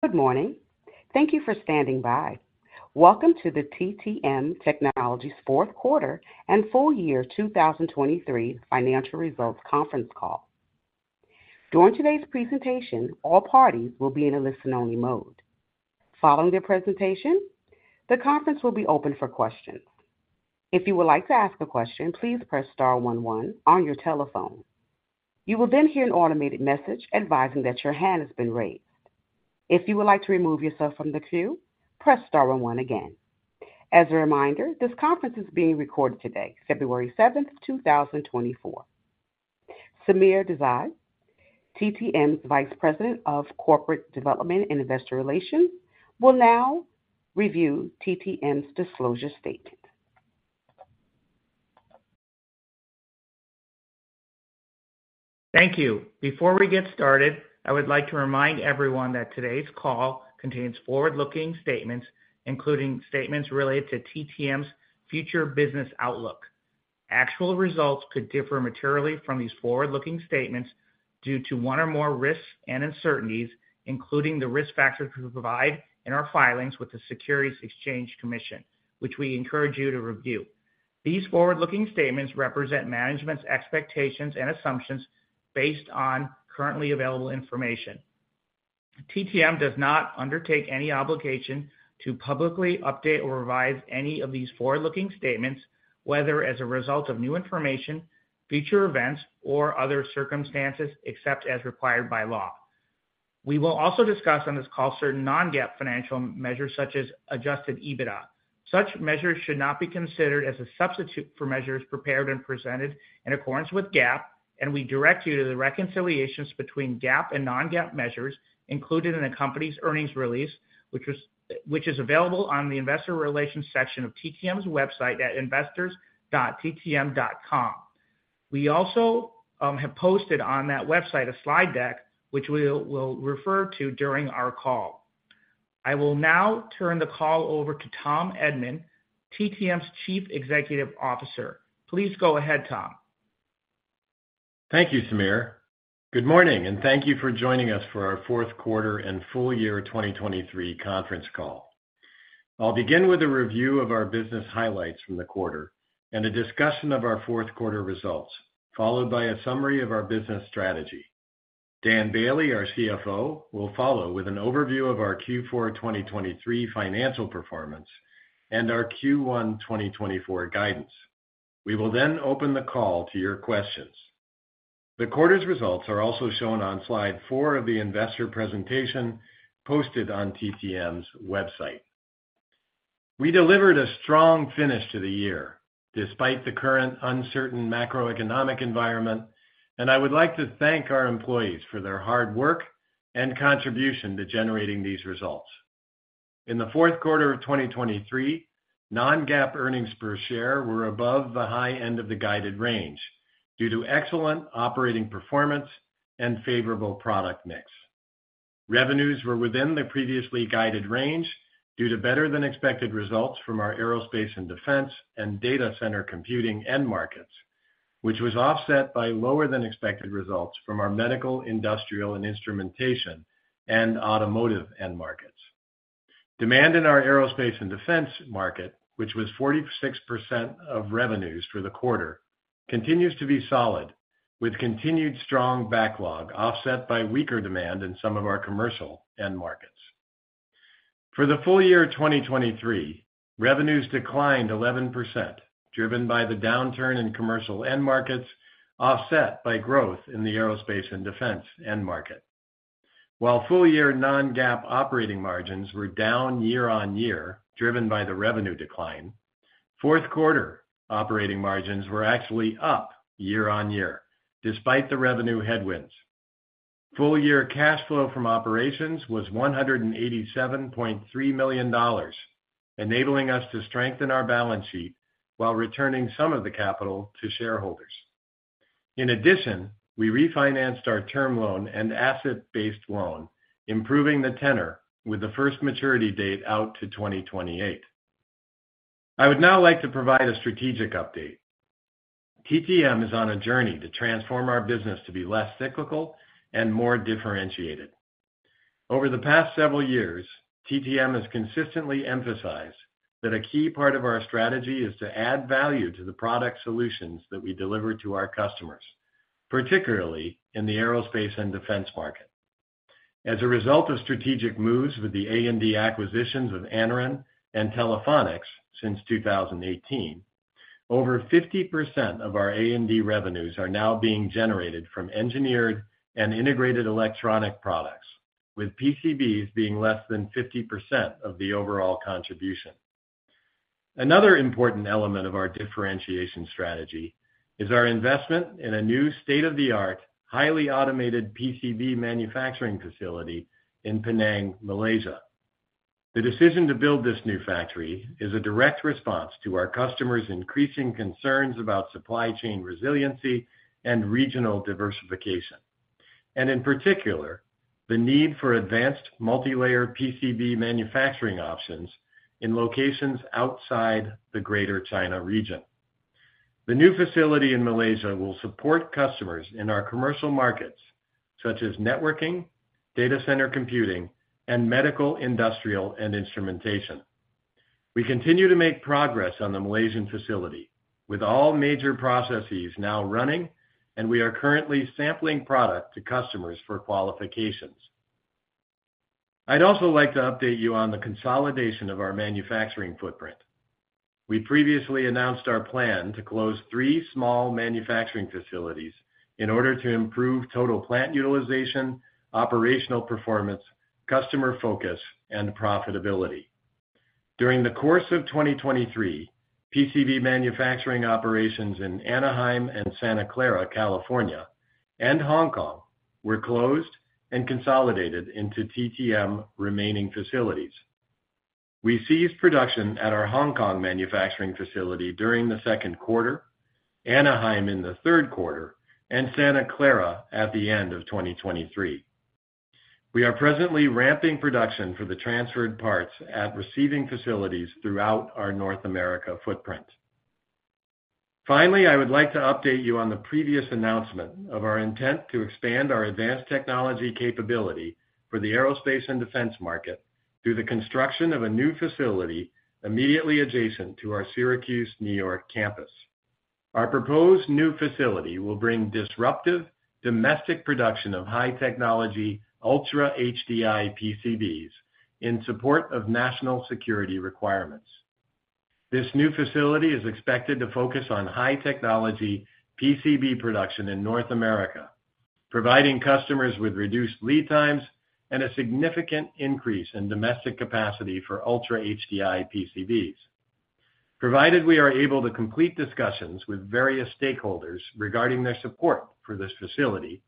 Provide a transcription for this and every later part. Good morning. Thank you for standing by. Welcome to the TTM Technologies Fourth Quarter and Full Year 2023 Financial Results Conference Call. During today's presentation, all parties will be in a listen-only mode. Following the presentation, the conference will be open for questions. If you would like to ask a question, please press star one one on your telephone. You will then hear an automated message advising that your hand has been raised. If you would like to remove yourself from the queue, press star one one again. As a reminder, this conference is being recorded today, February 7, 2024. Sameer Desai, TTM's Vice President of Corporate Development and Investor Relations, will now review TTM's disclosure statement. Thank you. Before we get started, I would like to remind everyone that today's call contains forward-looking statements, including statements related to TTM's future business outlook. Actual results could differ materially from these forward-looking statements due to one or more risks and uncertainties, including the risk factors we provide in our filings with the Securities Exchange Commission, which we encourage you to review. These forward-looking statements represent management's expectations and assumptions based on currently available information. TTM does not undertake any obligation to publicly update or revise any of these forward-looking statements, whether as a result of new information, future events, or other circumstances, except as required by law. We will also discuss on this call certain non-GAAP financial measures, such as Adjusted EBITDA. Such measures should not be considered as a substitute for measures prepared and presented in accordance with GAAP, and we direct you to the reconciliations between GAAP and non-GAAP measures included in the company's earnings release, which is available on the investor relations section of TTM's website at investors.ttm.com. We also have posted on that website a slide deck, which we will refer to during our call. I will now turn the call over to Tom Edman, TTM's Chief Executive Officer. Please go ahead, Tom. Thank you, Sameer. Good morning, and thank you for joining us for our fourth quarter and full year 2023 conference call. I'll begin with a review of our business highlights from the quarter and a discussion of our fourth quarter results, followed by a summary of our business strategy. Dan Boehle, our CFO, will follow with an overview of our Q4 2023 financial performance and our Q1 2024 guidance. We will then open the call to your questions. The quarter's results are also shown on slide four of the investor presentation posted on TTM's website. We delivered a strong finish to the year, despite the current uncertain macroeconomic environment, and I would like to thank our employees for their hard work and contribution to generating these results. In the fourth quarter of 2023, non-GAAP earnings per share were above the high end of the guided range due to excellent operating performance and favorable product mix. Revenues were within the previously guided range due to better than expected results from our aerospace and defense and data center computing end markets, which was offset by lower than expected results from our medical, industrial, and instrumentation and automotive end markets. Demand in our aerospace and defense market, which was 46% of revenues for the quarter, continues to be solid, with continued strong backlog, offset by weaker demand in some of our commercial end markets. For the full year 2023, revenues declined 11%, driven by the downturn in commercial end markets, offset by growth in the aerospace and defense end market. While full-year non-GAAP operating margins were down year-on-year, driven by the revenue decline, fourth quarter operating margins were actually up year-on-year, despite the revenue headwinds. Full-year cash flow from operations was $187.3 million, enabling us to strengthen our balance sheet while returning some of the capital to shareholders. In addition, we refinanced our term loan and asset-based loan, improving the tenor with the first maturity date out to 2028. I would now like to provide a strategic update. TTM is on a journey to transform our business to be less cyclical and more differentiated. Over the past several years, TTM has consistently emphasized that a key part of our strategy is to add value to the product solutions that we deliver to our customers, particularly in the aerospace and defense market. As a result of strategic moves with the A&D acquisitions of Anaren and Telephonics since 2018, over 50% of our A&D revenues are now being generated from engineered and integrated electronic products, with PCBs being less than 50% of the overall contribution. Another important element of our differentiation strategy is our investment in a new state-of-the-art, highly automated PCB manufacturing facility in Penang, Malaysia. The decision to build this new factory is a direct response to our customers' increasing concerns about supply chain resiliency and regional diversification, and in particular, the need for advanced multilayer PCB manufacturing options in locations outside the Greater China Region. The new facility in Malaysia will support customers in our commercial markets, such as networking, data center computing, and medical, industrial, and instrumentation. We continue to make progress on the Malaysian facility, with all major processes now running, and we are currently sampling product to customers for qualifications. I'd also like to update you on the consolidation of our manufacturing footprint. We previously announced our plan to close three small manufacturing facilities in order to improve total plant utilization, operational performance, customer focus, and profitability. During the course of 2023, PCB manufacturing operations in Anaheim and Santa Clara, California, and Hong Kong, were closed and consolidated into TTM remaining facilities. We ceased production at our Hong Kong manufacturing facility during the second quarter, Anaheim in the third quarter, and Santa Clara at the end of 2023. We are presently ramping production for the transferred parts at receiving facilities throughout our North America footprint. Finally, I would like to update you on the previous announcement of our intent to expand our advanced technology capability for the aerospace and defense market through the construction of a new facility immediately adjacent to our Syracuse, New York, campus. Our proposed new facility will bring disruptive domestic production of high-technology, Ultra-HDI PCBs in support of national security requirements. This new facility is expected to focus on high-technology PCB production in North America, providing customers with reduced lead times and a significant increase in domestic capacity for Ultra-HDI PCBs. Provided we are able to complete discussions with various stakeholders regarding their support for this facility,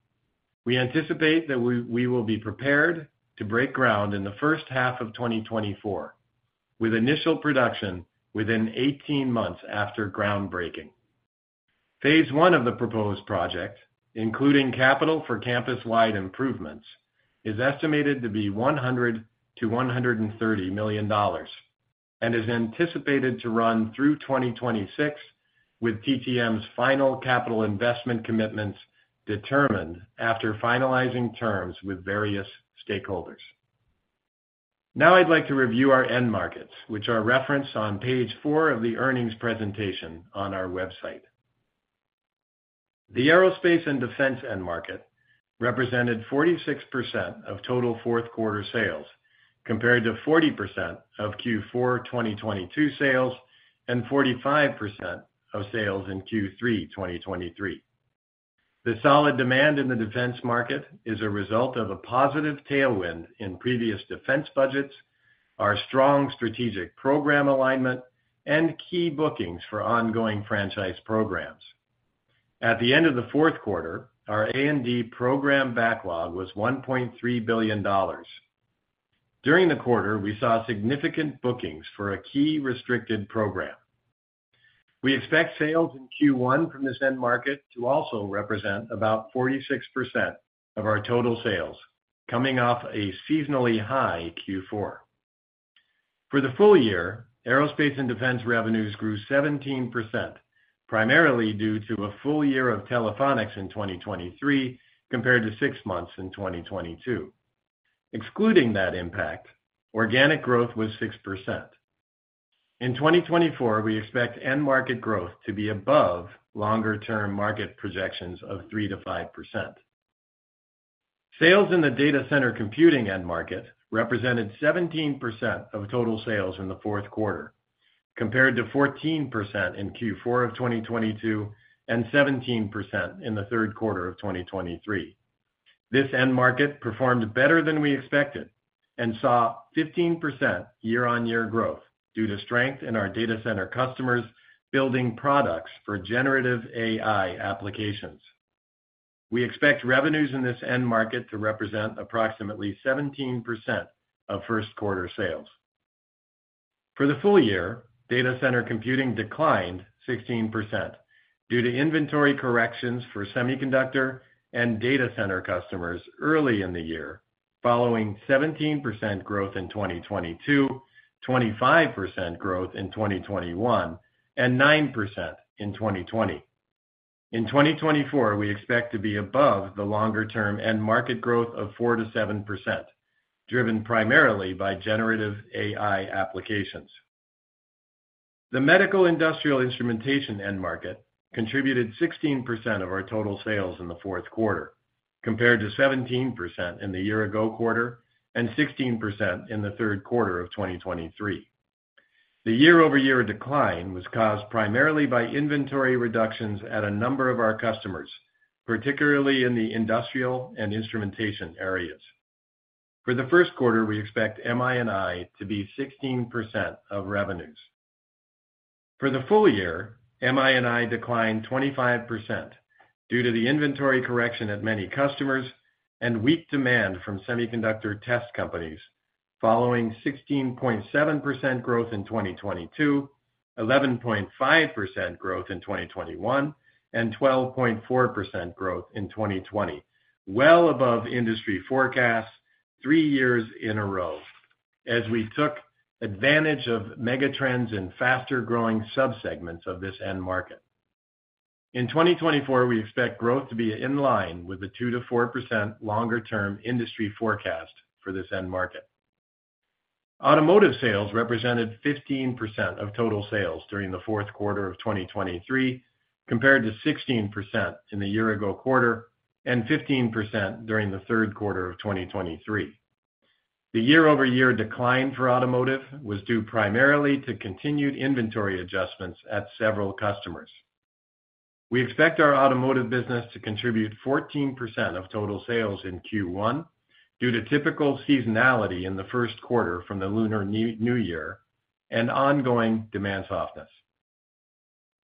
we anticipate that we will be prepared to break ground in the first half of 2024, with initial production within 18 months after groundbreaking. Phase I of the proposed project, including capital for campus-wide improvements, is estimated to be $100 million-$130 million, and is anticipated to run through 2026, with TTM's final capital investment commitments determined after finalizing terms with various stakeholders. Now I'd like to review our end markets, which are referenced on page four of the earnings presentation on our website. The aerospace and defense end market represented 46% of total fourth quarter sales, compared to 40% of Q4 2022 sales and 45% of sales in Q3 2023. The solid demand in the defense market is a result of a positive tailwind in previous defense budgets, our strong strategic program alignment, and key bookings for ongoing franchise programs. At the end of the fourth quarter, our A&D program backlog was $1.3 billion. During the quarter, we saw significant bookings for a key restricted program. We expect sales in Q1 from this end market to also represent about 46% of our total sales, coming off a seasonally high Q4. For the full year, aerospace and defense revenues grew 17%, primarily due to a full year of Telephonics in 2023, compared to six months in 2022. Excluding that impact, organic growth was 6%. In 2024, we expect end market growth to be above longer-term market projections of 3%-5%. Sales in the data center computing end market represented 17% of total sales in the fourth quarter, compared to 14% in Q4 of 2022, and 17% in the third quarter of 2023. This end market performed better than we expected and saw 15% year-on-year growth due to strength in our data center customers building products for Generative AI applications. We expect revenues in this end market to represent approximately 17% of first quarter sales. For the full year, data center computing declined 16% due to inventory corrections for semiconductor and data center customers early in the year, following 17% growth in 2022, 25% growth in 2021, and 9% in 2020. In 2024, we expect to be above the longer-term end market growth of 4%-7%, driven primarily by Generative AI applications. The medical industrial instrumentation end market contributed 16% of our total sales in the fourth quarter, compared to 17% in the year-ago quarter and 16% in the third quarter of 2023. The year-over-year decline was caused primarily by inventory reductions at a number of our customers, particularly in the industrial and instrumentation areas. For the first quarter, we expect MII to be 16% of revenues. For the full year, MII declined 25% due to the inventory correction at many customers and weak demand from semiconductor test companies, following 16.7% growth in 2022, 11.5% growth in 2021, and 12.4% growth in 2020, well above industry forecasts three years in a row, as we took advantage of mega trends and faster-growing subsegments of this end market. In 2024, we expect growth to be in line with the 2%-4% longer-term industry forecast for this end market. Automotive sales represented 15% of total sales during the fourth quarter of 2023, compared to 16% in the year-ago quarter, and 15% during the third quarter of 2023. The year-over-year decline for automotive was due primarily to continued inventory adjustments at several customers. We expect our automotive business to contribute 14% of total sales in Q1, due to typical seasonality in the first quarter from the Lunar New Year and ongoing demand softness.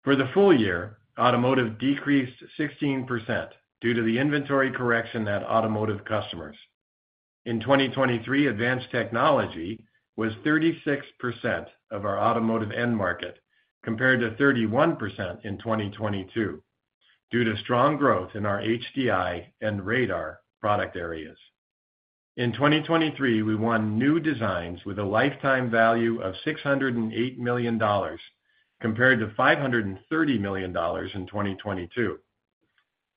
For the full year, automotive decreased 16% due to the inventory correction at automotive customers. In 2023, advanced technology was 36% of our automotive end market, compared to 31% in 2022, due to strong growth in our HDI and radar product areas. In 2023, we won new designs with a lifetime value of $608 million, compared to $530 million in 2022.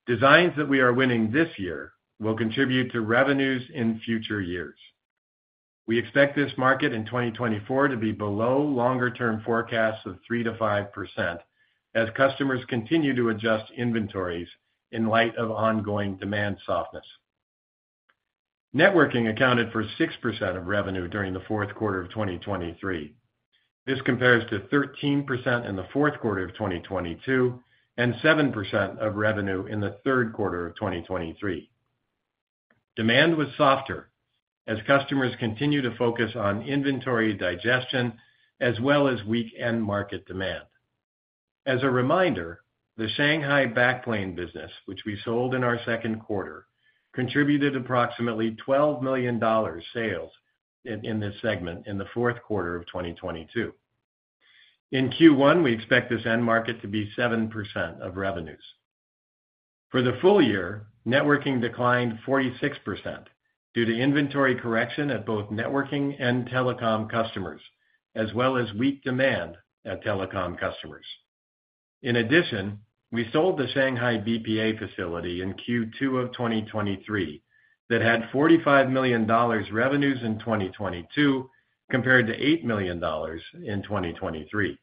Designs that we are winning this year will contribute to revenues in future years. We expect this market in 2024 to be below longer-term forecasts of 3%-5%, as customers continue to adjust inventories in light of ongoing demand softness. Networking accounted for 6% of revenue during the fourth quarter of 2023. This compares to 13% in the fourth quarter of 2022, and 7% of revenue in the third quarter of 2023. Demand was softer as customers continue to focus on inventory digestion, as well as weak end market demand. As a reminder, the Shanghai backplane business, which we sold in our second quarter, contributed approximately $12 million sales in this segment in the fourth quarter of 2022. In Q1, we expect this end market to be 7% of revenues. For the full year, networking declined 46% due to inventory correction at both networking and telecom customers, as well as weak demand at telecom customers. In addition, we sold the Shanghai BPA facility in Q2 of 2023, that had $45 million revenues in 2022, compared to $8 million in 2023.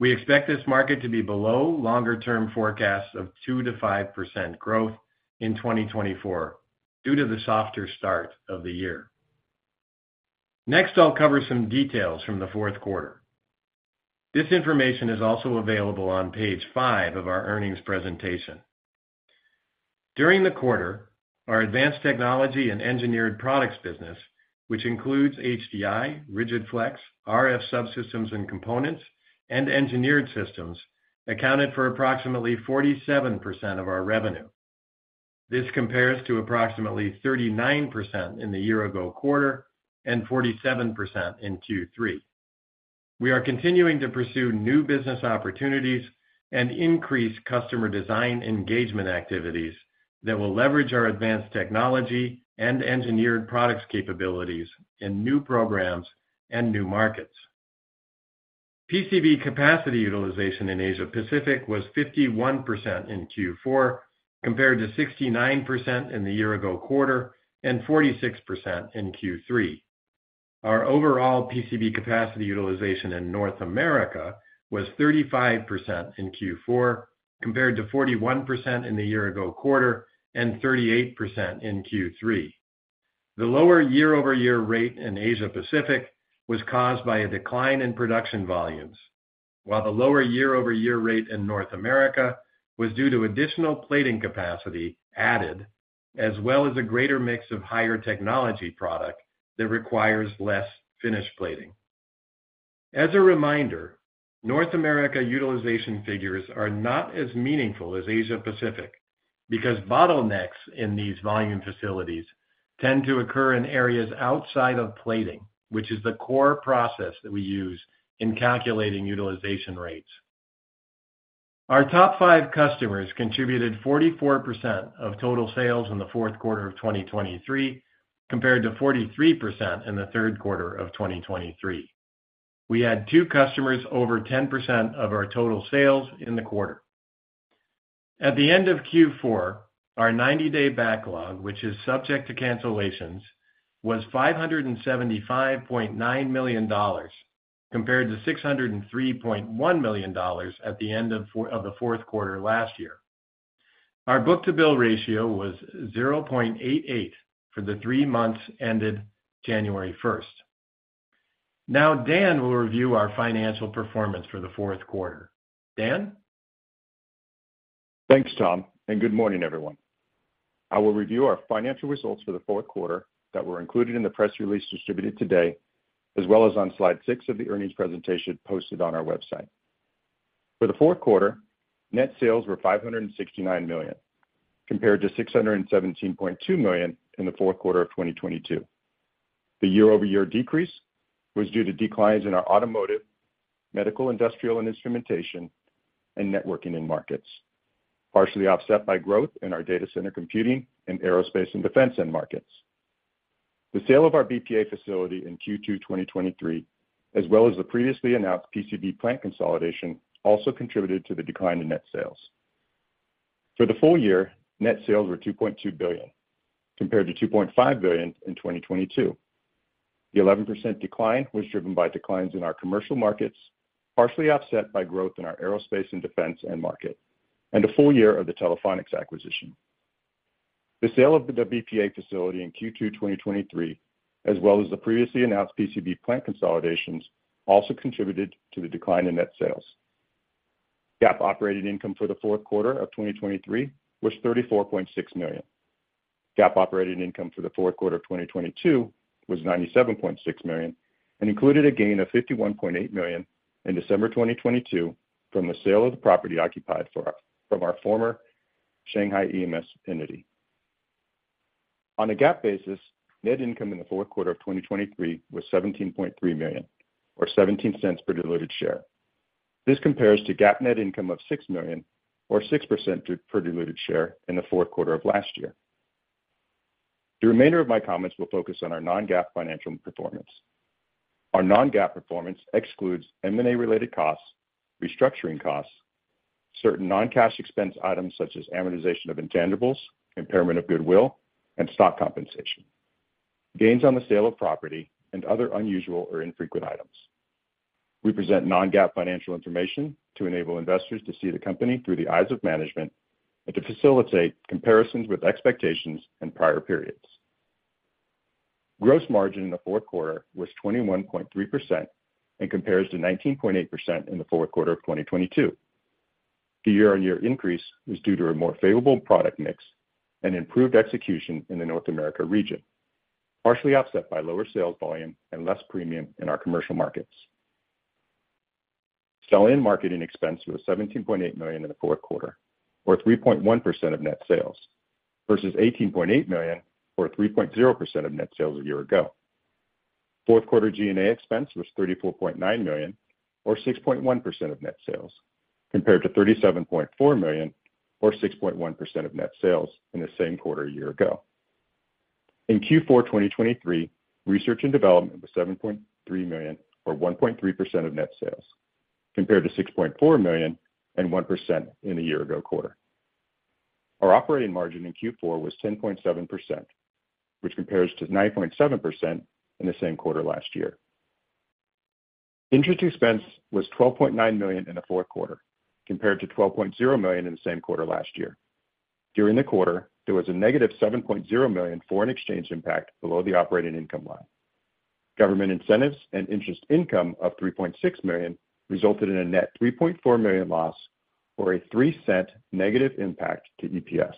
We expect this market to be below longer-term forecasts of 2%-5% growth in 2024 due to the softer start of the year. Next, I'll cover some details from the fourth quarter. This information is also available on page five of our earnings presentation. During the quarter, our advanced technology and engineered products business, which includes HDI, rigid-flex, RF subsystems and components, and engineered systems, accounted for approximately 47% of our revenue. This compares to approximately 39% in the year-ago quarter, and 47% in Q3. We are continuing to pursue new business opportunities and increase customer design engagement activities, that will leverage our advanced technology and engineered products capabilities in new programs and new markets. PCB capacity utilization in Asia Pacific was 51% in Q4, compared to 69% in the year-ago quarter and 46% in Q3. Our overall PCB capacity utilization in North America was 35% in Q4, compared to 41% in the year-ago quarter and 38% in Q3. The lower year-over-year rate in Asia Pacific was caused by a decline in production volumes, while the lower year-over-year rate in North America was due to additional plating capacity added, as well as a greater mix of higher technology product that requires less finish plating. As a reminder, North America utilization figures are not as meaningful as Asia Pacific, because bottlenecks in these volume facilities tend to occur in areas outside of plating, which is the core process that we use in calculating utilization rates. Our top five customers contributed 44% of total sales in the fourth quarter of 2023, compared to 43% in the third quarter of 2023. We had two customers over 10% of our total sales in the quarter. At the end of Q4, our 90-day backlog, which is subject to cancellations, was $575.9 million, compared to $603.1 million at the end of the fourth quarter last year. Our book-to-bill ratio was 0.88 for the three months ended January 1st. Now, Dan will review our financial performance for the fourth quarter. Dan? Thanks, Tom, and good morning, everyone. I will review our financial results for the fourth quarter that were included in the press release distributed today, as well as on slide six of the earnings presentation posted on our website. For the fourth quarter, net sales were $569 million, compared to $617.2 million in the fourth quarter of 2022. The year-over-year decrease was due to declines in our automotive, medical, industrial, and instrumentation and networking end markets, partially offset by growth in our data center computing and aerospace and defense end markets. The sale of our BPA facility in Q2 2023, as well as the previously announced PCB plant consolidation, also contributed to the decline in net sales. For the full year, net sales were $2.2 billion, compared to $2.5 billion in 2022. The 11% decline was driven by declines in our commercial markets, partially offset by growth in our aerospace and defense end market, and a full year of the Telephonics acquisition. The sale of the BPA facility in Q2 2023, as well as the previously announced PCB plant consolidations, also contributed to the decline in net sales. GAAP operating income for the fourth quarter of 2023 was $34.6 million. GAAP operating income for the fourth quarter of 2022 was $97.6 million and included a gain of $51.8 million in December 2022 from the sale of the property occupied for, from our former Shanghai EMS entity. On a GAAP basis, net income in the fourth quarter of 2023 was $17.3 million, or $0.17 per diluted share. This compares to GAAP net income of $6 million, or 6% per diluted share in the fourth quarter of last year. The remainder of my comments will focus on our non-GAAP financial performance. Our non-GAAP performance excludes M&A related costs, restructuring costs, certain non-cash expense items such as amortization of intangibles, impairment of goodwill, and stock compensation, gains on the sale of property and other unusual or infrequent items. We present non-GAAP financial information to enable investors to see the company through the eyes of management and to facilitate comparisons with expectations in prior periods. Gross margin in the fourth quarter was 21.3% and compares to 19.8% in the fourth quarter of 2022. The year-on-year increase was due to a more favorable product mix and improved execution in the North America region, partially offset by lower sales volume and less premium in our commercial markets. Selling and marketing expense was $17.8 million in the fourth quarter, or 3.1% of net sales, versus $18.8 million, or 3.0% of net sales a year ago. Fourth quarter G&A expense was $34.9 million, or 6.1% of net sales, compared to $37.4 million, or 6.1% of net sales in the same quarter a year ago. In Q4 2023, research and development was $7.3 million, or 1.3% of net sales, compared to $6.4 million and 1% in the year ago quarter. Our operating margin in Q4 was 10.7%, which compares to 9.7% in the same quarter last year. Interest expense was $12.9 million in the fourth quarter, compared to $12.0 million in the same quarter last year. During the quarter, there was a negative $7.0 million foreign exchange impact below the operating income line. Government incentives and interest income of $3.6 million resulted in a net $3.4 million loss, or a $0.03 negative impact to EPS.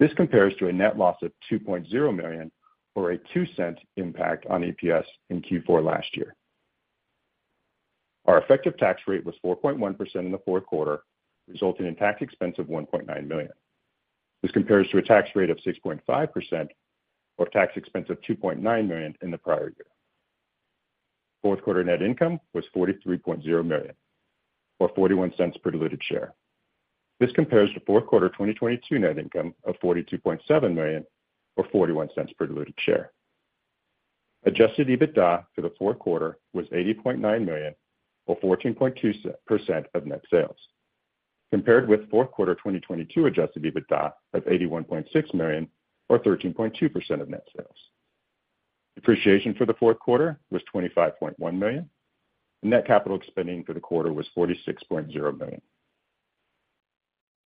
This compares to a net loss of $2.0 million, or a $0.02 impact on EPS in Q4 last year. Our effective tax rate was 4.1% in the fourth quarter, resulting in tax expense of $1.9 million. This compares to a tax rate of 6.5%, or tax expense of $2.9 million in the prior year. Fourth quarter net income was $43.0 million, or $0.41 per diluted share. This compares to fourth quarter 2022 net income of $42.7 million, or $0.41 per diluted share. Adjusted EBITDA for the fourth quarter was $80.9 million, or 14.2% of net sales, compared with fourth quarter 2022 adjusted EBITDA of $81.6 million, or 13.2% of net sales. Depreciation for the fourth quarter was $25.1 million, and net capital spending for the quarter was $46.0 million.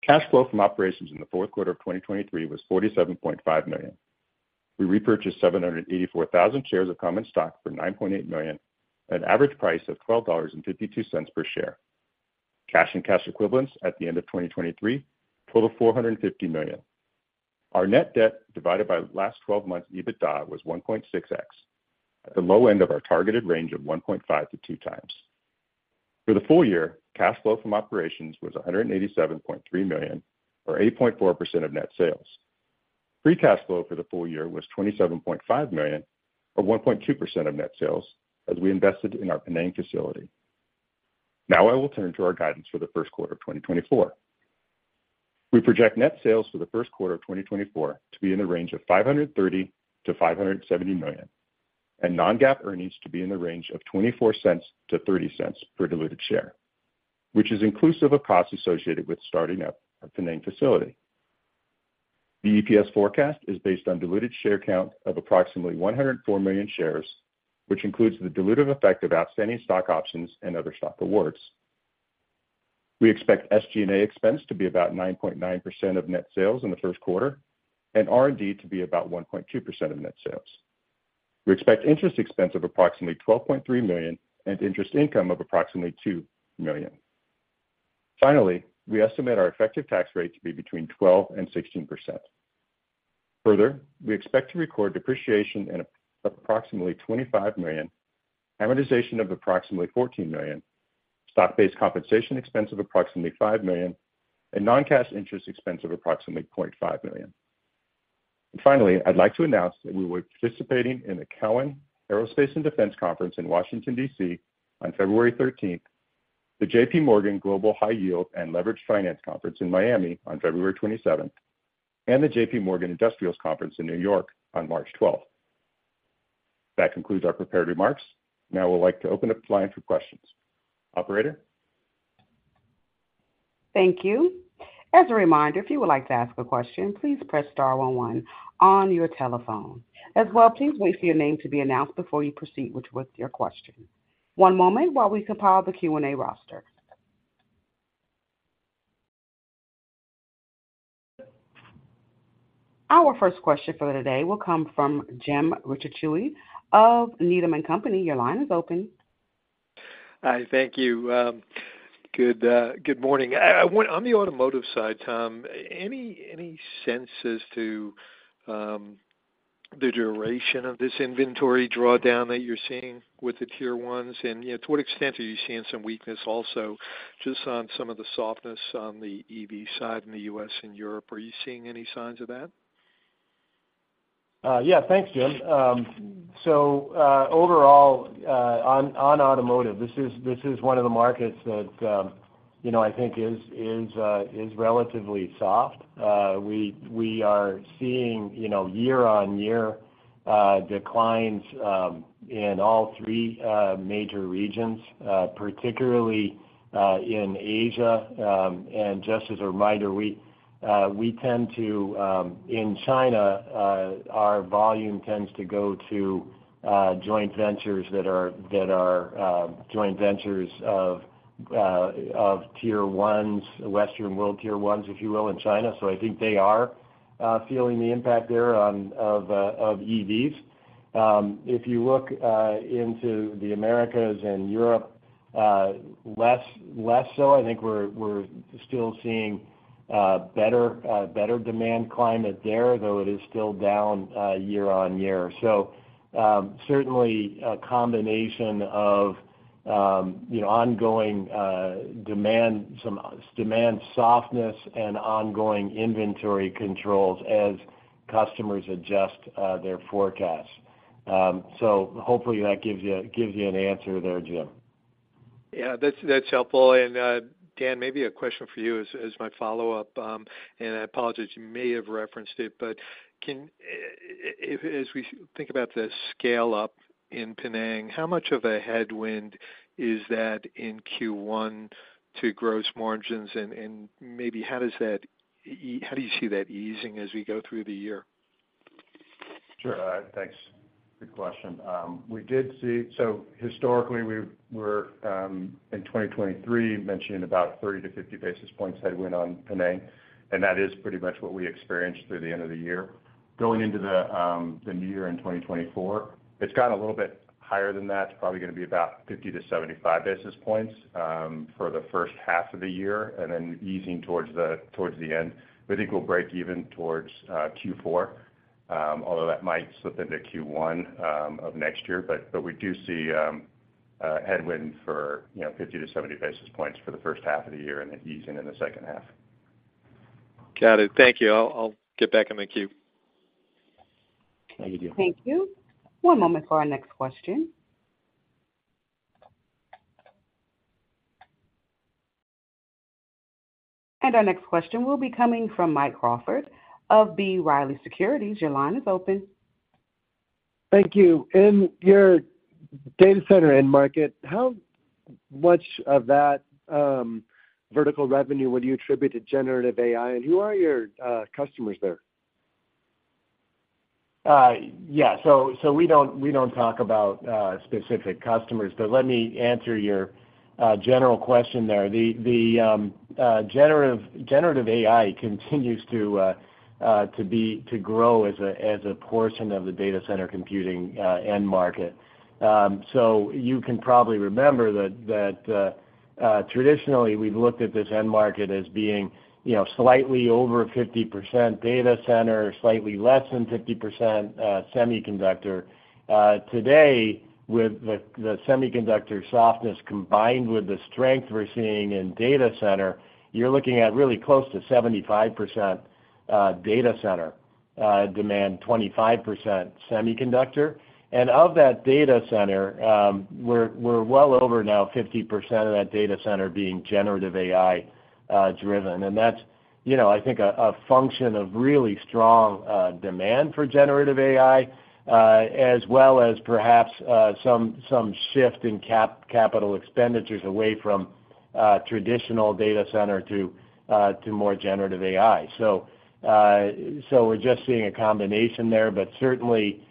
Cash flow from operations in the fourth quarter of 2023 was $47.5 million. We repurchased 784,000 shares of common stock for $9.8 million, at an average price of $12.52 per share. Cash and cash equivalents at the end of 2023 total $450 million. Our net debt divided by last twelve months EBITDA was 1.6x, at the low end of our targeted range of 1.5x-2x. For the full year, cash flow from operations was $187.3 million, or 8.4% of net sales. Free cash flow for the full year was $27.5 million, or 1.2% of net sales, as we invested in our Penang facility. Now I will turn to our guidance for the first quarter of 2024. We project net sales for the first quarter of 2024 to be in the range of $530 million-$570 million, and non-GAAP earnings to be in the range of $0.24-$0.30 per diluted share, which is inclusive of costs associated with starting up our Penang facility. The EPS forecast is based on diluted share count of approximately 104 million shares, which includes the dilutive effect of outstanding stock options and other stock awards. We expect SG&A expense to be about 9.9% of net sales in the first quarter and R&D to be about 1.2% of net sales. We expect interest expense of approximately $12.3 million and interest income of approximately $2 million. Finally, we estimate our effective tax rate to be between 12%-16%. Further, we expect to record depreciation of approximately $25 million, amortization of approximately $14 million, stock-based compensation expense of approximately $5 million, and non-cash interest expense of approximately $0.5 million. And finally, I'd like to announce that we will be participating in the Cowen Aerospace and Defense Conference in Washington, D.C., on February thirteenth, the JPMorgan Global High Yield and Leveraged Finance Conference in Miami on February twenty-seventh, and the JPMorgan Industrials Conference in New York on March twelfth. That concludes our prepared remarks. Now we'd like to open up the line for questions. Operator? Thank you. As a reminder, if you would like to ask a question, please press star one one on your telephone. As well, please wait for your name to be announced before you proceed with your question. One moment while we compile the Q&A roster. Our first question for today will come from Jim Ricchiuti of Needham and Company. Your line is open. Hi, thank you. Good morning. On the automotive side, Tom, any sense as to the duration of this inventory drawdown that you're seeing with the Tier ones? And, you know, to what extent are you seeing some weakness also just on some of the softness on the EV side in the U.S. and Europe? Are you seeing any signs of that? Yeah, thanks, Jim. So, overall, on automotive, this is one of the markets that, you know, I think is relatively soft. We are seeing, you know, year-on-year declines in all three major regions, particularly in Asia. And just as a reminder, we tend to, in China, our volume tends to go to joint ventures that are joint ventures of Tier ones, Western world Tier ones, if you will, in China. So I think they are feeling the impact there of EVs. If you look into the Americas and Europe, less so. I think we're still seeing better demand climate there, though it is still down year-on-year. So, certainly a combination of, you know, ongoing demand, some demand softness and ongoing inventory controls as customers adjust their forecasts. So hopefully that gives you, gives you an answer there, Jim. Yeah, that's, that's helpful. And, Dan, maybe a question for you as, as my follow-up, and I apologize, you may have referenced it, but can, if as we think about the scale-up in Penang, how much of a headwind is that in Q1 to gross margins? And, and maybe how does that how do you see that easing as we go through the year? Sure. Thanks. Good question. We did see, so historically, we were in 2023 mentioning about 30-50 basis points headwind on Penang, and that is pretty much what we experienced through the end of the year. Going into the new year in 2024, it's gotten a little bit higher than that. It's probably gonna be about 50-75 basis points for the first half of the year, and then easing towards the end. We think we'll break even towards Q4, although that might slip into Q1 of next year. But we do see a headwind for, you know, 50-70 basis points for the first half of the year and then easing in the second half. Got it. Thank you. I'll, I'll get back in the queue. Thank you, Jim. Thank you. One moment for our next question. Our next question will be coming from Mike Crawford of B. Riley Securities. Your line is open. Thank you. In your data center end market, how much of that vertical revenue would you attribute to generative AI, and who are your customers there? Yeah, so we don't talk about specific customers, but let me answer your general question there. The Generative AI continues to grow as a portion of the data center computing end market. So you can probably remember that traditionally, we've looked at this end market as being, you know, slightly over 50% data center, slightly less than 50% semiconductor. Today, with the semiconductor softness combined with the strength we're seeing in data center, you're looking at really close to 75% data center demand, 25% semiconductor. And of that data center, we're well over now 50% of that data center being Generative AI driven. And that's, you know, I think, a function of really strong demand for Generative AI, as well as perhaps some shift in capital expenditures away from traditional data center to more Generative AI. So, we're just seeing a combination there, but certainly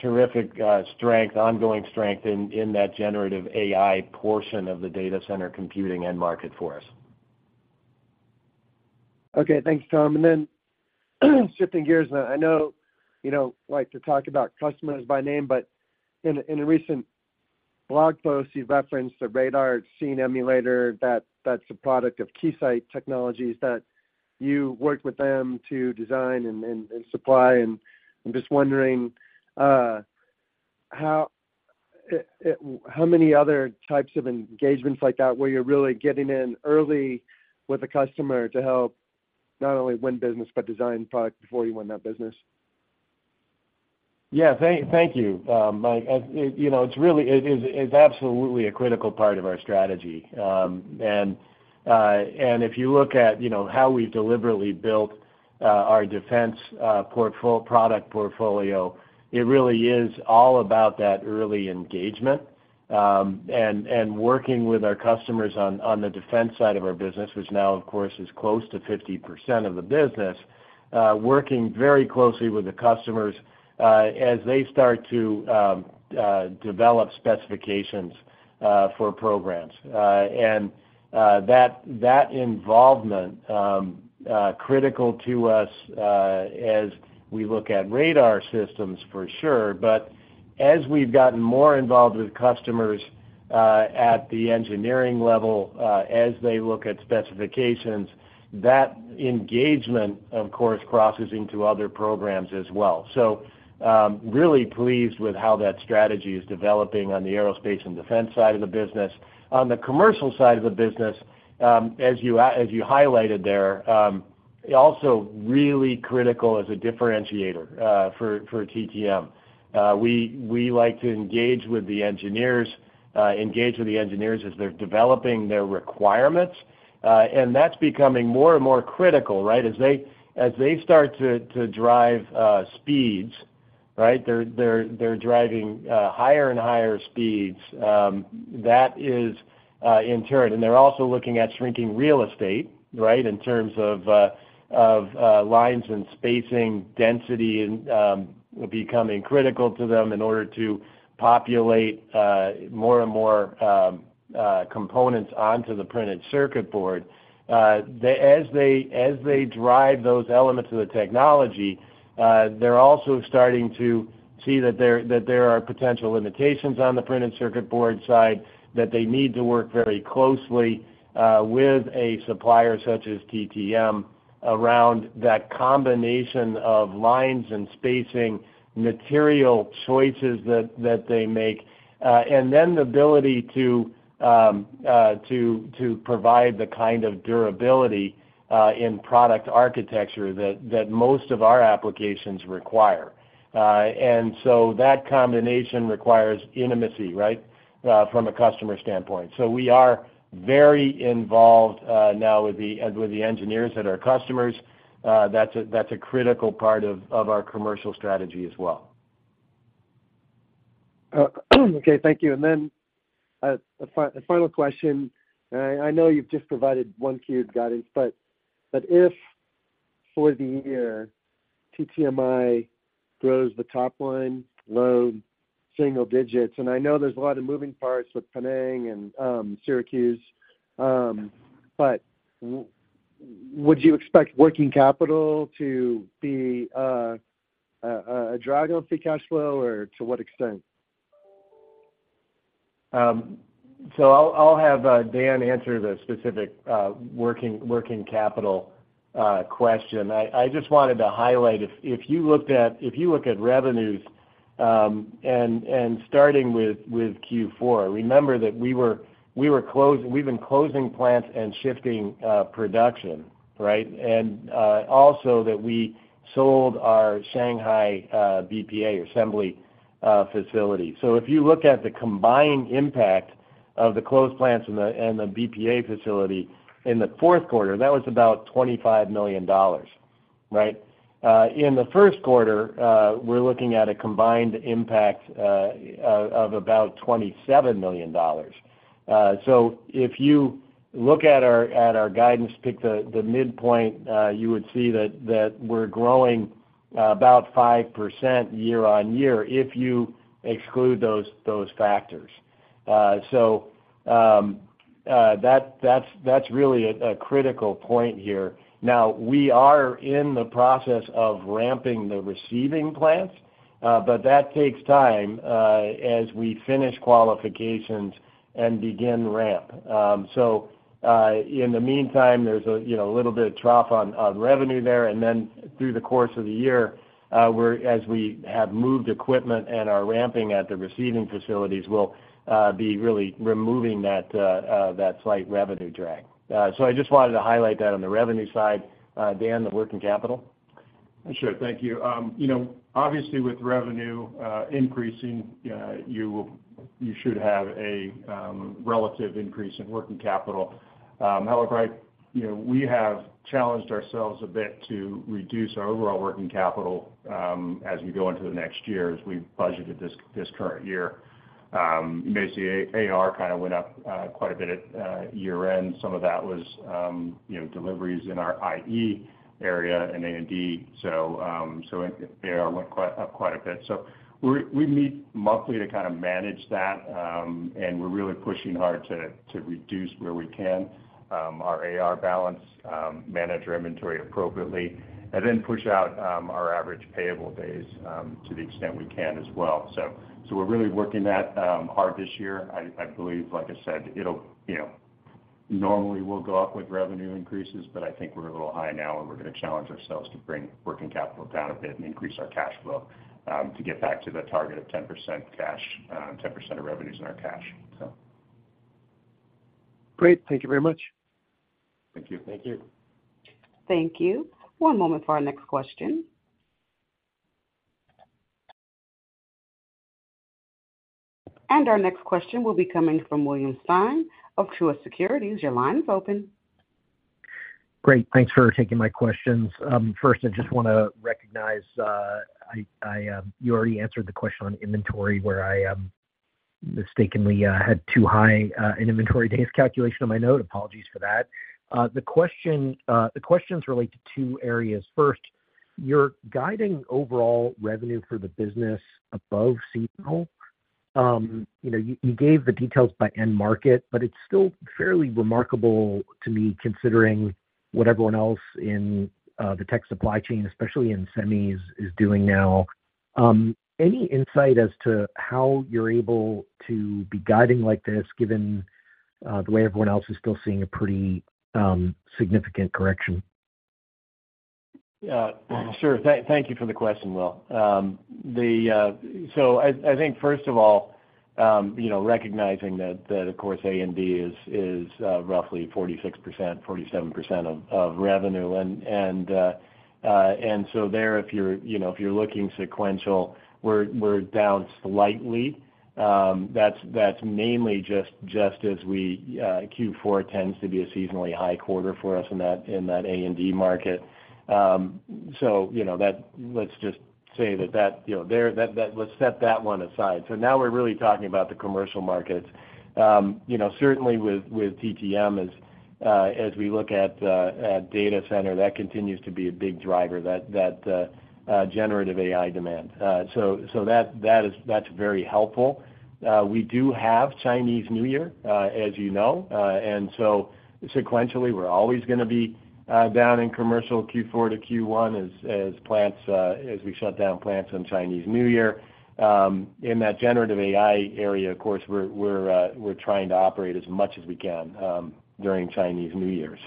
terrific strength, ongoing strength in that Generative AI portion of the data center computing end market for us. Okay, thanks, Tom. And then, shifting gears. Now, I know you don't like to talk about customers by name, but in a recent blog post, you referenced the Radar Scene Emulator. That's a product of Keysight Technologies that you worked with them to design and supply. And I'm just wondering how many other types of engagements like that, where you're really getting in early with the customer to help not only win business, but design product before you win that business? Yeah, thank you, Mike. As you know, it's really absolutely a critical part of our strategy. And if you look at, you know, how we deliberately built our defense product portfolio, it really is all about that early engagement and working with our customers on the defense side of our business, which now, of course, is close to 50% of the business, working very closely with the customers as they start to develop specifications for programs. And that involvement critical to us as we look at radar systems for sure. But as we've gotten more involved with customers at the engineering level as they look at specifications, that engagement, of course, crosses into other programs as well. So, really pleased with how that strategy is developing on the Aerospace and Defense side of the business. On the commercial side of the business, as you as you highlighted there, also really critical as a differentiator, for TTM. We like to engage with the engineers, engage with the engineers as they're developing their requirements, and that's becoming more and more critical, right? As they start to drive speeds, right, they're driving higher and higher speeds, that is, in turn, and they're also looking at shrinking real estate, right, in terms of lines and spacing, density, and becoming critical to them in order to populate more and more components onto the printed circuit board. As they drive those elements of the technology, they're also starting to see that there are potential limitations on the printed circuit board side, that they need to work very closely with a supplier such as TTM around that combination of lines and spacing, material choices that they make, and then the ability to provide the kind of durability in product architecture that most of our applications require. And so that combination requires intimacy, right, from a customer standpoint. So we are very involved now with the engineers that are customers. That's a critical part of our commercial strategy as well. Okay, thank you. And then a final question. I know you've just provided Q1 guidance, but if for the year, TTMI grows the top line low single digits, and I know there's a lot of moving parts with Penang and Syracuse, but would you expect working capital to be a drag on free cash flow, or to what extent? So I'll have Dan answer the specific working capital question. I just wanted to highlight, if you look at revenues and starting with Q4, remember that we were closing-- we've been closing plants and shifting production, right? And also that we sold our Shanghai BPA assembly facility. So if you look at the combined impact of the closed plants and the BPA facility in the fourth quarter, that was about $25 million, right? In the first quarter, we're looking at a combined impact of about $27 million. So if you look at our guidance, pick the midpoint, you would see that we're growing about 5% year-on-year, if you exclude those factors. So, that's really a critical point here. Now, we are in the process of ramping the receiving plants, but that takes time, as we finish qualifications and begin ramp. So, in the meantime, there's a, you know, a little bit of trough on revenue there, and then through the course of the year, we're, as we have moved equipment and are ramping at the receiving facilities, we'll be really removing that slight revenue drag. So I just wanted to highlight that on the revenue side. Dan, the working capital? Sure. Thank you. You know, obviously, with revenue increasing, you will, you should have a relative increase in working capital. However, I, you know, we have challenged ourselves a bit to reduce our overall working capital, as we go into the next year, as we budgeted this, this current year. Basically, AR kind of went up quite a bit at year-end. Some of that was, you know, deliveries in our IE area and A&D. So, AR went up quite a bit. So we're—we meet monthly to kind of manage that, and we're really pushing hard to, to reduce where we can, our AR balance, manage our inventory appropriately, and then push out, our average payable days, to the extent we can as well. So, we're really working that hard this year. I believe, like I said, it'll, you know normally will go up with revenue increases, but I think we're a little high now, and we're going to challenge ourselves to bring working capital down a bit and increase our cash flow, to get back to the target of 10% cash, 10% of revenues in our cash. So. Great. Thank you very much. Thank you. Thank you. Thank you. One moment for our next question. Our next question will be coming from William Stein of Truist Securities. Your line is open. Great, thanks for taking my questions. First, I just want to recognize you already answered the question on inventory, where I mistakenly had too high an inventory days calculation on my note. Apologies for that. The questions relate to two areas. First, you're guiding overall revenue for the business above seasonal. You know, you gave the details by end market, but it's still fairly remarkable to me, considering what everyone else in the tech supply chain, especially in semis, is doing now. Any insight as to how you're able to be guiding like this, given the way everyone else is still seeing a pretty significant correction? Yeah, sure. Thank you for the question, Will. I think, first of all, you know, recognizing that, of course, A&D is roughly 46%-47% of revenue. And so there, if you're, you know, if you're looking sequential, we're down slightly. That's mainly just Q4 tends to be a seasonally high quarter for us in that A&D market. So, you know, let's just say that -- let's set that one aside. So now we're really talking about the commercial markets. You know, certainly with TTM, as we look at data center, that continues to be a big driver, that Generative AI demand. That's very helpful. We do have Chinese New Year, as you know, and so sequentially, we're always going to be down in commercial Q4 to Q1 as we shut down plants on Chinese New Year. In that Generative AI area, of course, we're trying to operate as much as we can during Chinese New Year.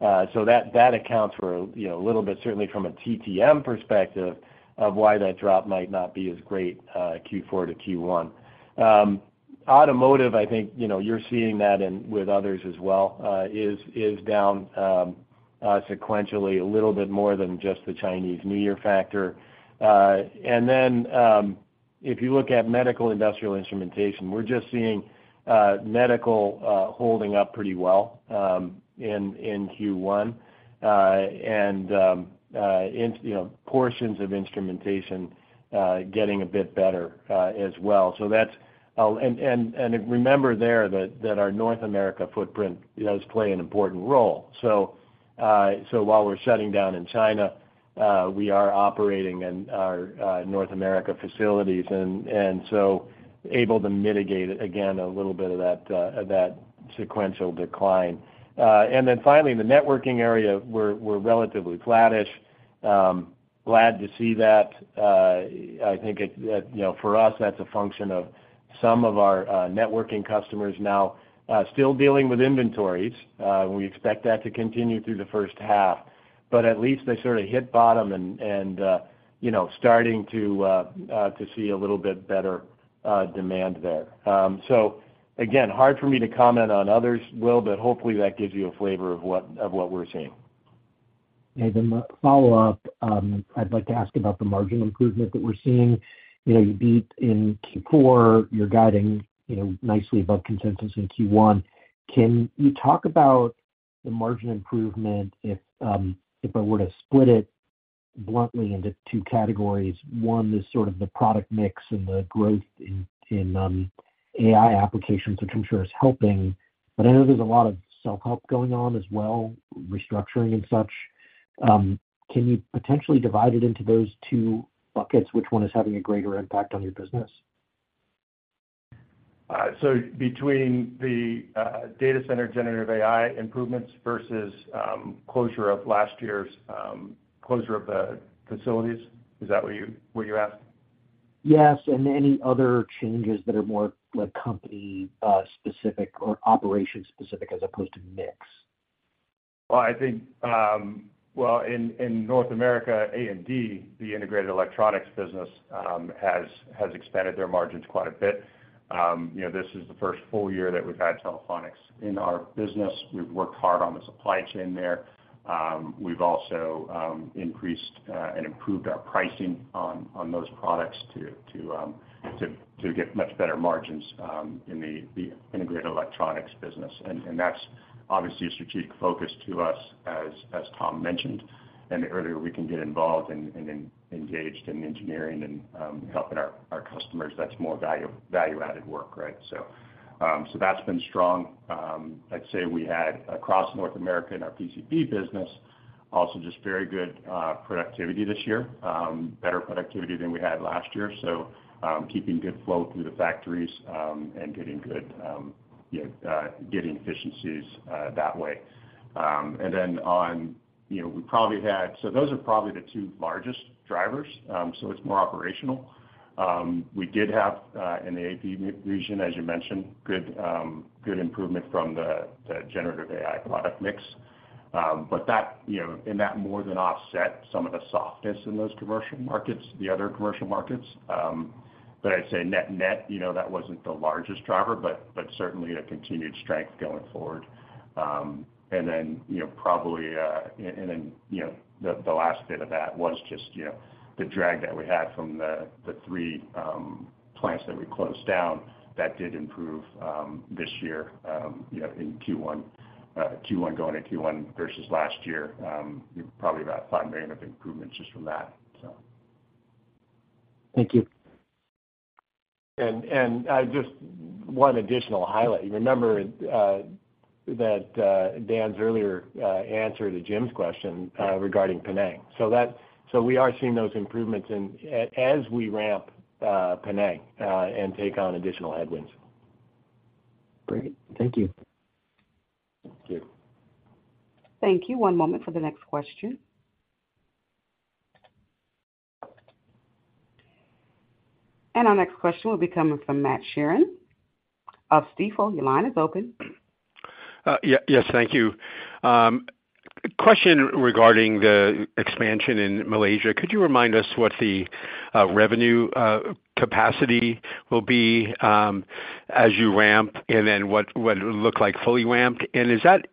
That accounts for, you know, a little bit, certainly from a TTM perspective, of why that drop might not be as great Q4 to Q1. Automotive, I think, you know, you're seeing that in with others as well, is down sequentially a little bit more than just the Chinese New Year factor. And then, if you look at medical industrial instrumentation, we're just seeing medical holding up pretty well, in Q1, and in, you know, portions of instrumentation getting a bit better, as well. So that's, remember there that our North America footprint does play an important role. So while we're shutting down in China, we are operating in our North America facilities, and so able to mitigate, again, a little bit of that sequential decline. And then finally, in the networking area, we're relatively flattish. Glad to see that. I think it, you know, for us, that's a function of some of our networking customers now still dealing with inventories. We expect that to continue through the first half, but at least they sort of hit bottom and you know, starting to see a little bit better demand there. So again, hard for me to comment on others, Will, but hopefully that gives you a flavor of what, of what we're seeing. Then follow-up, I'd like to ask about the margin improvement that we're seeing. You know, you beat in Q4, you're guiding, you know, nicely above consensus in Q1. Can you talk about the margin improvement, if I were to split it bluntly into two categories? One is sort of the product mix and the growth in AI applications, which I'm sure is helping, but I know there's a lot of self-help going on as well, restructuring and such. Can you potentially divide it into those two buckets, which one is having a greater impact on your business? Between the data center Generative AI improvements versus closure of last year's closure of the facilities, is that what you what you asked? Yes, and any other changes that are more like company specific or operation specific, as opposed to mix. Well, I think, well, in North America, A&D, the integrated electronics business has expanded their margins quite a bit. You know, this is the first full year that we've had Telephonics in our business. We've worked hard on the supply chain there. We've also increased and improved our pricing on those products to get much better margins in the integrated electronics business. And that's obviously a strategic focus to us, as Tom mentioned. And the earlier we can get involved and engaged in engineering and helping our customers, that's more value-added work, right? So that's been strong. I'd say we had across North America in our PCB business, also just very good productivity this year. Better productivity than we had last year, so keeping good flow through the factories and getting good, yeah, getting efficiencies that way. And then on, you know, so those are probably the two largest drivers, so it's more operational. We did have in the AP region, as you mentioned, good improvement from the Generative AI product mix. But that, you know, and that more than offset some of the softness in those commercial markets, the other commercial markets. But I'd say net-net, you know, that wasn't the largest driver, but, but certainly a continued strength going forward. And then, you know, probably and then, you know, the last bit of that was just, you know, the drag that we had from the three plants that we closed down that did improve this year, you know, in Q1 going to Q1 versus last year, probably about $5 million of improvements just from that, so. Thank you. And just one additional highlight. Remember that Dan's earlier answer to Jim's question regarding Penang. So we are seeing those improvements and as we ramp Penang and take on additional headwinds. Great. Thank you. Thank you. Thank you. One moment for the next question. Our next question will be coming from Matt Sheerin of Stifel. Your line is open. Yeah. Yes, thank you. Question regarding the expansion in Malaysia. Could you remind us what the revenue capacity will be as you ramp, and then what it look like fully ramped? And is that,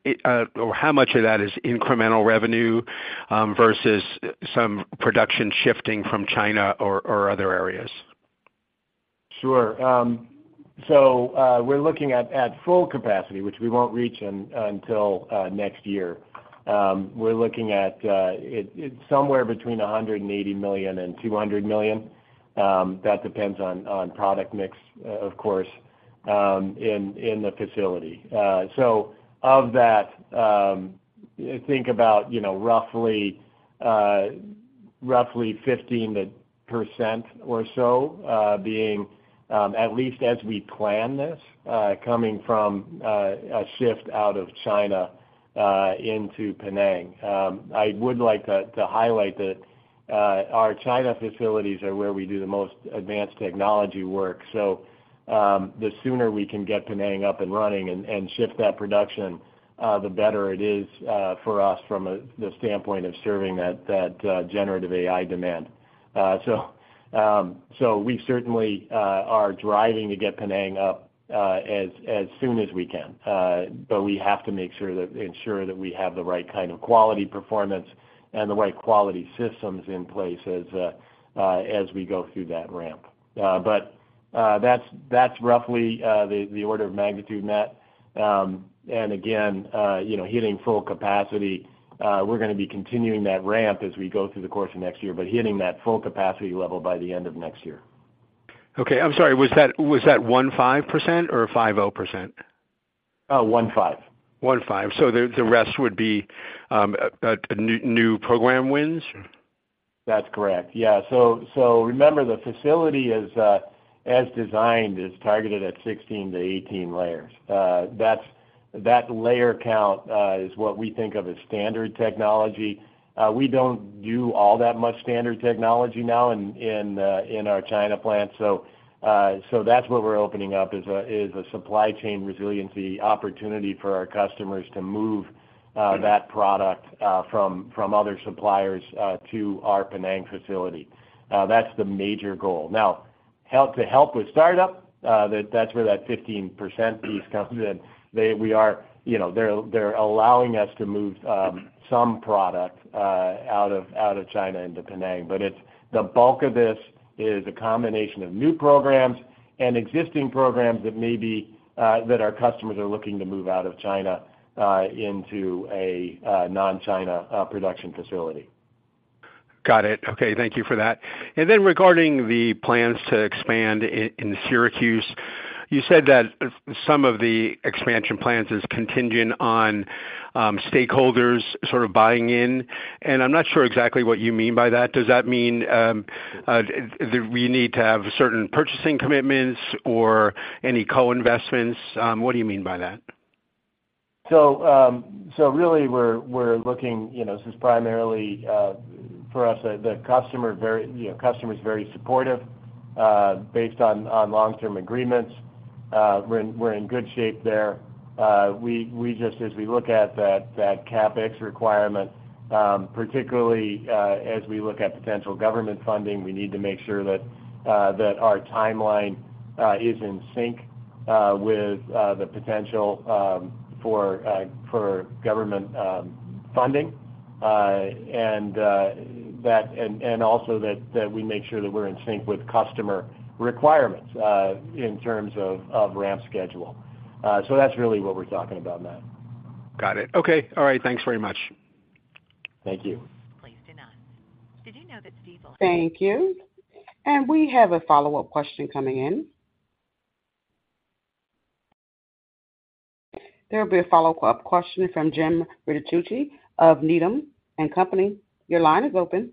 or how much of that is incremental revenue versus some production shifting from China or other areas? Sure. So, we're looking at full capacity, which we won't reach until next year. We're looking at it, it's somewhere between $180 million and $200 million. That depends on product mix, of course, in the facility. So of that, think about, you know, roughly 15% or so being at least as we plan this coming from a shift out of China into Penang. I would like to highlight that our China facilities are where we do the most advanced technology work. So, the sooner we can get Penang up and running and shift that production, the better it is for us from the standpoint of serving that Generative AI demand. So we certainly are driving to get Penang up as soon as we can. But we have to make sure that, ensure that we have the right kind of quality performance and the right quality systems in place as we go through that ramp. But that's roughly the order of magnitude, Matt. And again, you know, hitting full capacity, we're gonna be continuing that ramp as we go through the course of next year, but hitting that full capacity level by the end of next year. Okay. I'm sorry, was that, was that 15% or 50%? 015. 1.5. So the rest would be new program wins? That's correct. Yeah. So, remember, the facility is, as designed, targeted at 16-18 layers. That's, that layer count is what we think of as standard technology. We don't do all that much standard technology now in our China plant. So, that's what we're opening up, is a supply chain resiliency opportunity for our customers to move that product from other suppliers to our Penang facility. That's the major goal. Now, to help with startup, that's where that 15% piece comes in. They we are, you know, they're allowing us to move some product out of China into Penang. But it's the bulk of this is a combination of new programs and existing programs that may be that our customers are looking to move out of China into a non-China production facility. Got it. Okay, thank you for that. And then regarding the plans to expand in Syracuse, you said that some of the expansion plans is contingent on stakeholders sort of buying in, and I'm not sure exactly what you mean by that. Does that mean that we need to have certain purchasing commitments or any co-investments? What do you mean by that? So really we're looking, you know, this is primarily for us, the customer is very supportive, you know, based on long-term agreements. We're in good shape there. We just as we look at that CapEx requirement, particularly as we look at potential government funding, we need to make sure that our timeline is in sync with the potential for government funding. And also that we make sure that we're in sync with customer requirements in terms of ramp schedule. So that's really what we're talking about, Matt. Got it. Okay. All right. Thanks very much. Thank you. Thank you. We have a follow-up question coming in. There will be a follow-up question from Jim Ricchiuti of Needham and Company. Your line is open.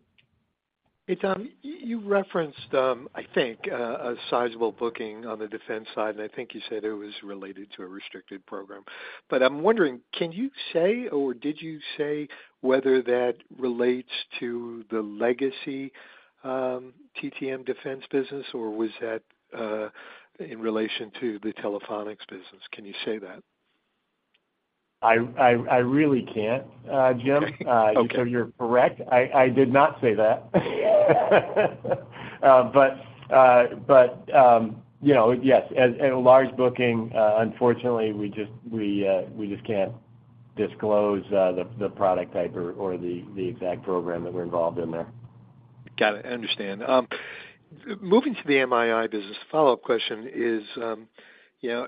Hey, Tom, you referenced, I think, a sizable booking on the defense side, and I think you said it was related to a restricted program. But I'm wondering, can you say, or did you say whether that relates to the legacy TTM defense business, or was that in relation to the Telephonics business? Can you say that? I really can't, Jim. Okay. So you're correct. I did not say that. But you know, yes, and a large booking, unfortunately, we just can't disclose the product type or the exact program that we're involved in there. Got it. Understand. Moving to the MII business, follow-up question is, you know,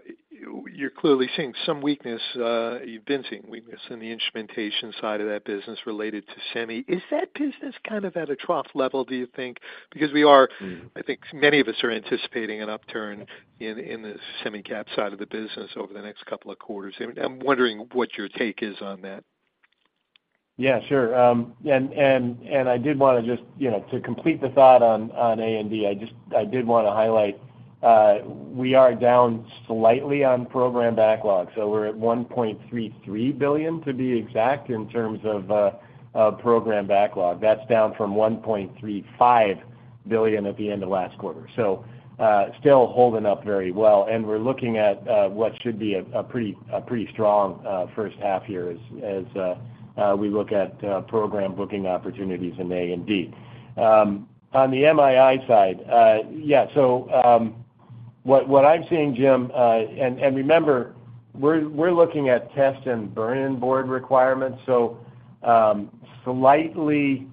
you're clearly seeing some weakness, you've been seeing weakness in the instrumentation side of that business related to semi. Is that business kind of at a trough level, do you think? Because we are- Mm-hmm. I think many of us are anticipating an upturn in the semi cap side of the business over the next couple of quarters. I'm wondering what your take is on that. Yeah, sure. And I did wanna just, you know, to complete the thought on A&D, I just... I did wanna highlight, we are down slightly on program backlog, so we're at $1.33 billion, to be exact, in terms of program backlog. That's down from $1.35 billion at the end of last quarter. So, still holding up very well, and we're looking at what should be a pretty strong first half year as we look at program booking opportunities in A&D. On the MII side, yeah, so what I'm seeing, Jim, and remember, we're looking at test and burn-in board requirements, so slightly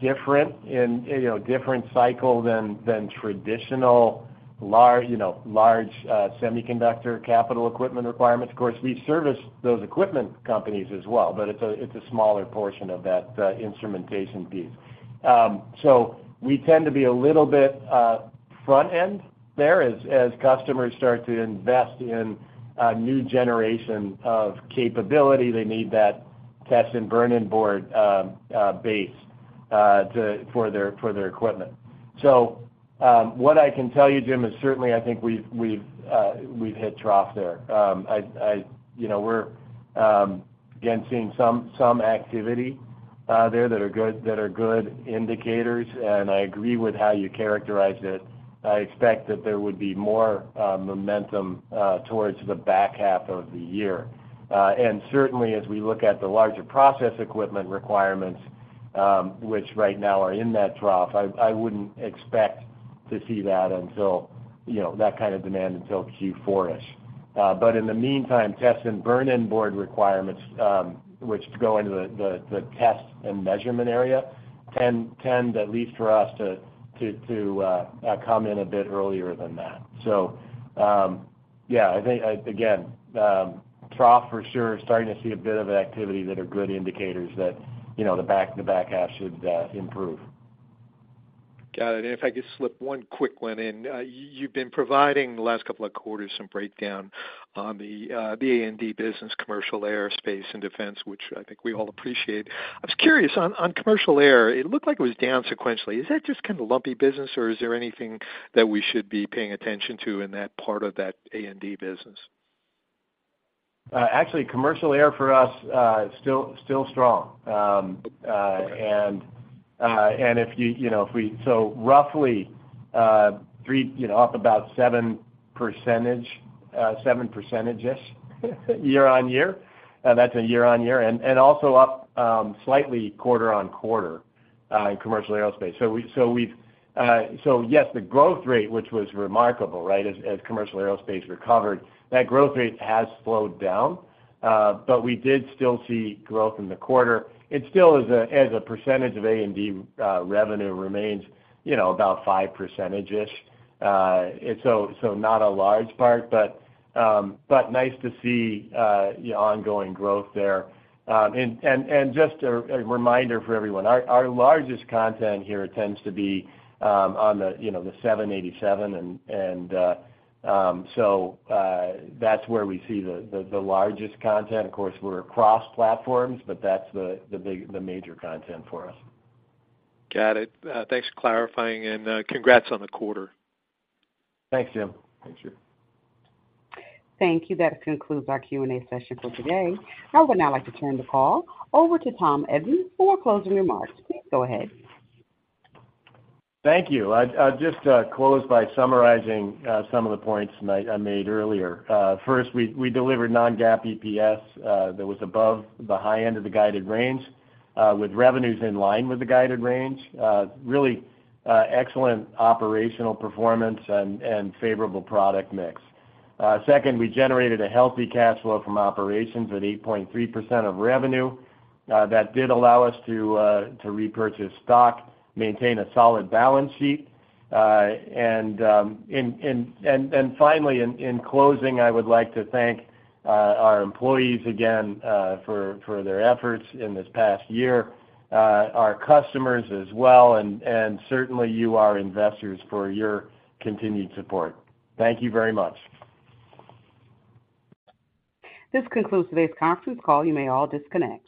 different in, you know, different cycle than traditional large, you know, large semiconductor capital equipment requirements. Of course, we service those equipment companies as well, but it's a smaller portion of that instrumentation piece. So we tend to be a little bit front end there. As customers start to invest in a new generation of capability, they need that test and burn-in board base to for their equipment. So what I can tell you, Jim, is certainly I think we've hit trough there. I... You know, we're again seeing some activity there that are good indicators, and I agree with how you characterized it. I expect that there would be more momentum towards the back half of the year. And certainly, as we look at the larger process equipment requirements, which right now are in that trough, I wouldn't expect to see that until, you know, that kind of demand until Q4-ish. But in the meantime, test and burn in board requirements, which go into the test and measurement area, tend, at least for us, to come in a bit earlier than that. So, yeah, I think, again, trough for sure, starting to see a bit of activity that are good indicators that, you know, the back, the back half should, improve. Got it. And if I could slip one quick one in. You've been providing the last couple of quarters some breakdown on the, the A&D business, commercial aerospace and defense, which I think we all appreciate. I was curious, on, on commercial air, it looked like it was down sequentially. Is that just kind of a lumpy business, or is there anything that we should be paying attention to in that part of that A&D business? Actually, commercial air for us, still, still strong. And if you, you know... So roughly, 3, you know, up about 7%-ish year-on-year, and that's a year-on-year, and also up slightly quarter-on-quarter in commercial aerospace. So yes, the growth rate, which was remarkable, right, as commercial aerospace recovered, that growth rate has slowed down, but we did still see growth in the quarter. It still, as a percentage of A&D revenue, remains, you know, about 5%-ish. And so, so not a large part, but, but nice to see the ongoing growth there. Just a reminder for everyone, our largest content here tends to be, you know, on the 787, and so that's where we see the largest content. Of course, we're across platforms, but that's the major content for us. Got it. Thanks for clarifying, and congrats on the quarter. Thanks, Jim. Thank you. Thank you. That concludes our Q&A session for today. I would now like to turn the call over to Tom Edman for closing remarks. Please go ahead. Thank you. I'd just close by summarizing some of the points I made earlier. First, we delivered non-GAAP EPS that was above the high end of the guided range with revenues in line with the guided range. Really excellent operational performance and favorable product mix. Second, we generated a healthy cash flow from operations at 8.3% of revenue. That did allow us to repurchase stock, maintain a solid balance sheet, and finally, in closing, I would like to thank our employees again for their efforts in this past year, our customers as well, and certainly you, our investors, for your continued support. Thank you very much. This concludes today's conference call. You may all disconnect.